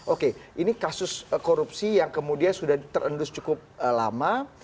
oke ini kasus korupsi yang kemudian sudah terendus cukup lama